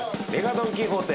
ドン・キホーテ